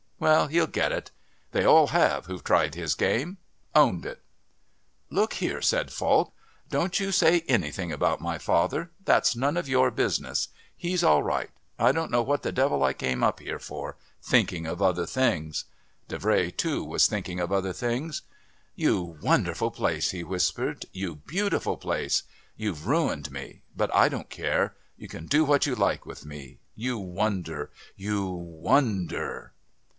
Well, he'll get it. They all have who've tried his game. Owned it!" "Look here," said Falk, "don't you say anything about my father that's none of your business. He's all right. I don't know what the devil I came up here for thinking of other things." Davray too was thinking of other things. "You wonderful place!" he whispered. "You beautiful place! You've ruined me, but I don't care. You can do what you like with me. You wonder! You wonder!"